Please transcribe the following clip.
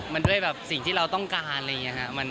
มันด้วยสิ่งที่เราต้องการ